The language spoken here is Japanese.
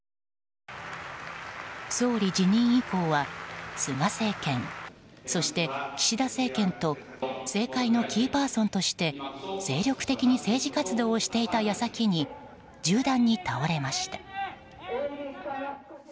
総理辞任以降は菅政権、そして岸田政権と政界のキーパーソンとして精力的に政治活動をしていた矢先に銃弾に倒れました。